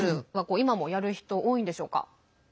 今もやる人、多いんでしょうか。